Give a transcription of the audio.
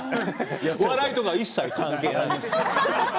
笑いとか一切関係ない。